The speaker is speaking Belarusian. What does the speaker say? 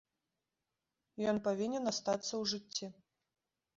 Ён павінен астацца ў жыцці.